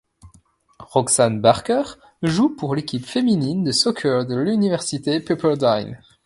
Roxanne Barker joue pour l'équipe féminine de soccer de l'Université Pepperdine.